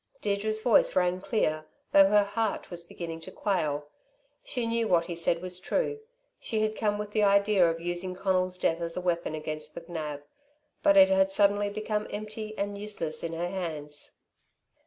Deirdre's voice rang clear, though her heart was beginning to quail. She knew that what he said was true. She had come with the idea of using Conal's death as a weapon against McNab; but it had suddenly become empty and useless in her hands.